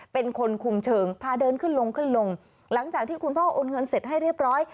เป็นคนคุมเชิงพาเดินขึ้นลงขึ้นลงหลังจากที่คุณพ่อโอนเงินเสร็จให้เรียบร้อย